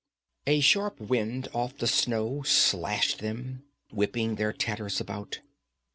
A sharp wind off the snow slashed them, whipping their tatters about.